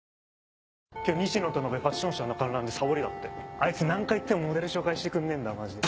あいつ何回言ってもモデル紹介してくんねえんだわマジで。